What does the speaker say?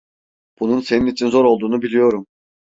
Bunun senin için zor olduğunu biliyorum.